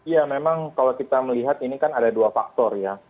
ya memang kalau kita melihat ini kan ada dua faktor ya